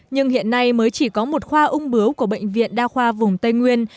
nhưng hiện nay mới chỉ có một khoa ung bướu của bệnh viện đa khoa vùng tây nguyên